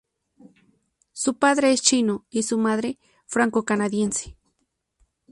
Su padre es chino, y su madre francocanadiense.